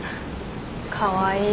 かわいい。